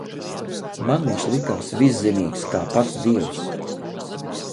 Man viņš likās viszinīgs kā pats Dievs.